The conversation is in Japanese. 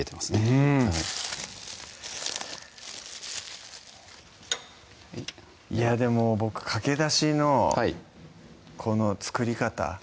うんいやでも僕かけだしのこの作り方